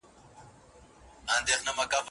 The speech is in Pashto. د منصور د حق نارې ته غرغړه له کومه راوړو